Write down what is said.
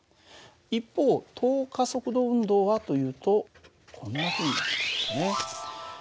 一方等加速度運動はというとこんなふうになってるんだね。